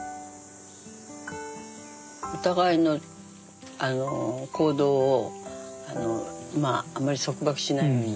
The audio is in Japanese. お互いの行動をあまり束縛しないように。